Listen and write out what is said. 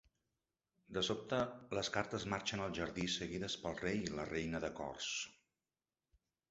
De sobte, les cartes marxen al jardí seguides pel rei i la reina de cors.